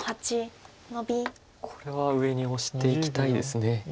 これは上にオシていきたいです。